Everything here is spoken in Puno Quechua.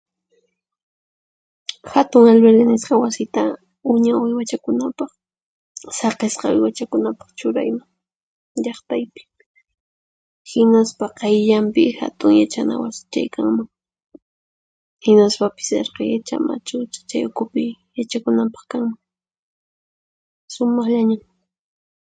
Hatun alwirki nisqa wasita uña uywachakunapaq saqisqa uywachakunapaq churayman llaqtaypi, hinaspa qayllanpi hatun yachana wasichay kanman, hinaspapis irqicha machucha chay ukhupi yachakunanpaq kanman. Sumaqllañan.